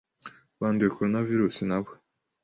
banduye corona virus nabo